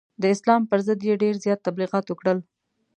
د اسلام پر ضد یې ډېر زیات تبلغیات وکړل.